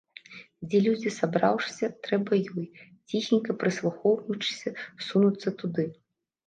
Дзе людзі сабраўшыся, трэба ёй, ціхенька прыслухоўваючыся, сунуцца туды.